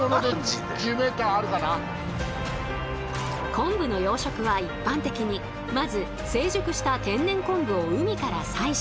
昆布の養殖は一般的にまず成熟した天然昆布を海から採取。